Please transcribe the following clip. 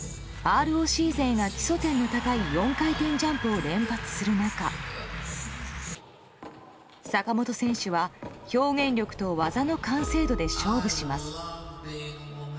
ＲＯＣ勢が基礎点の高い４回転ジャンプを連発する中坂本選手は表現力と技の完成度で勝負します。